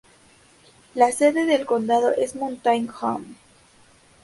La sede del condado es Mountain Home.